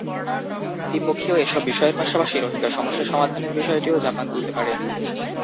দ্বিপক্ষীয় এসব বিষয়ের পাশাপাশি রোহিঙ্গা সমস্যা সমাধানের বিষয়টিও জাপান তুলতে পারে।